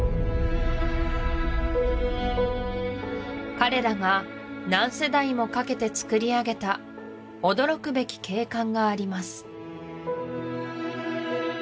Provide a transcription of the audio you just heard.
彼らが何世代もかけてつくりあげた驚くべき景観があります